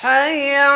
hai ala alfalah